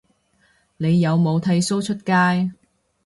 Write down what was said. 你有冇剃鬚出街